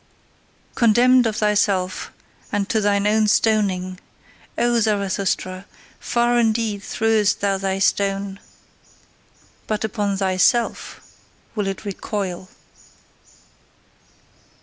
Condemned of thyself, and to thine own stoning: O Zarathustra, far indeed threwest thou thy stone but upon THYSELF will it recoil!"